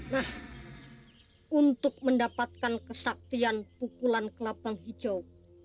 nah untuk mendapatkan kesaktian pukulan kelapang hijau